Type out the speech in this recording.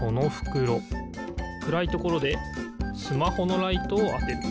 くらいところでスマホのライトをあてる。